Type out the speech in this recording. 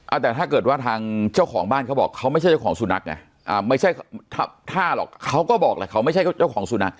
แต่ถ้าเกิดว่าทางเจ้าของบ้านเขาบอกเขาไม่ใช่เจ้าของสุนัขไงอ่าไม่ใช่ท่าหรอกเขาก็บอกแหละเขาไม่ใช่เจ้าของสุนัข